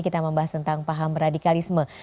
kita membahas tentang paham radikalisme